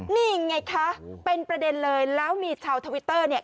นี่ไงคะเป็นประเด็นเลยแล้วมีชาวทวิตเตอร์เนี่ย